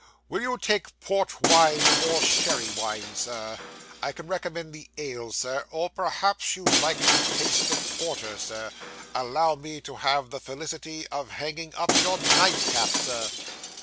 Will you take port wine, sir, or sherry wine, sir? I can recommend the ale, sir; or perhaps you'd like to taste the porter, sir? Allow me to have the felicity of hanging up your nightcap, Sir.